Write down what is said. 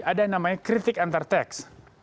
ada namanya kritik antarteks